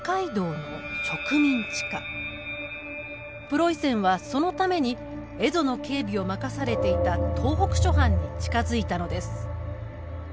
プロイセンはそのために蝦夷の警備を任されていた東北諸藩に近づいたのです。